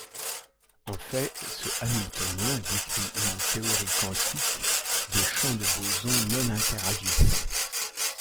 En fait, ce hamiltonien décrit une théorie quantique des champs de bosons non interagissant.